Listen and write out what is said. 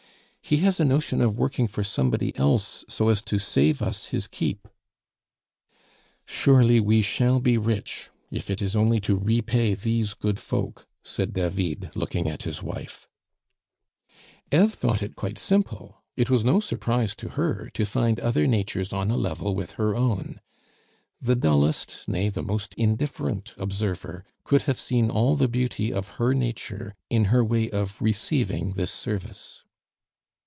He has a notion of working for somebody else, so as to save us his keep " "Surely we shall be rich, if it is only to repay these good folk," said David, looking at his wife. Eve thought it quite simple; it was no surprise to her to find other natures on a level with her own. The dullest nay, the most indifferent observer could have seen all the beauty of her nature in her way of receiving this service.